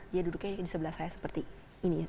dia duduknya di sebelah saya seperti ini ya